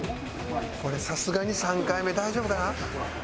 これさすがに３回目大丈夫かな？